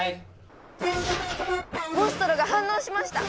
モンストロが反応しました！